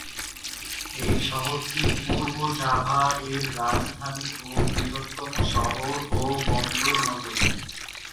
এই শহরটি পূর্ব জাভা এর রাজধানী ও বৃহত্তম শহর ও বন্দর নগরী।